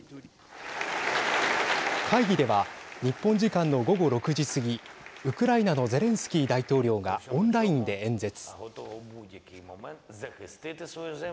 会議では日本時間の午後６時過ぎウクライナのゼレンスキー大統領がオンラインで演説。